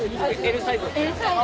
Ｌサイズ？